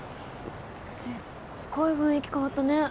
すっごい雰囲気変わったね。